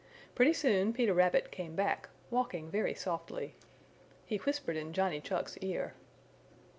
Pretty soon Peter Rabbit came back, walking very softly. He whispered in Johnny Chuck's ear.